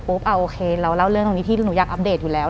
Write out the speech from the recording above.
หลังจากนั้นเราไม่ได้คุยกันนะคะเดินเข้าบ้านอืม